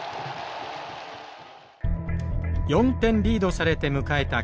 ４点リードされて迎えた